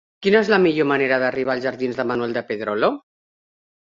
Quina és la millor manera d'arribar als jardins de Manuel de Pedrolo?